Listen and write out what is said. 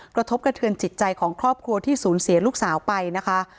กระทบกระเทือนจิตใจของครอบครัวที่สูญเสียลูกสาวไปนะคะ